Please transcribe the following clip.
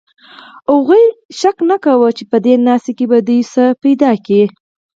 هغوی ګومان نه کاوه چې په دې ناسته کې به څه ومومي